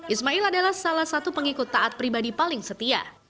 ismail adalah salah satu pengikut taat pribadi paling setia